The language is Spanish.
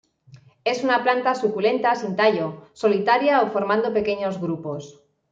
Es una planta suculenta sin tallo, solitaria o formando pequeños grupos.